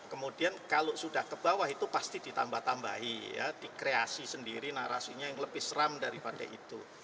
kemudian kalau sudah ke bawah itu pasti ditambah tambahi ya dikreasi sendiri narasinya yang lebih seram daripada itu